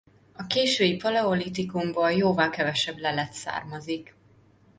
A késői paleolitikumból jóval kevesebb lelet származik.